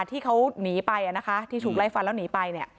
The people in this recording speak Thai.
ที่เขาหนีไปนะคะที่ถูกไล่ฟันแล้วหนีไปเนี่ย